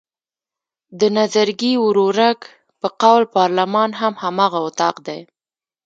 د نظرګي ورورک په قول پارلمان هم هماغه اطاق دی.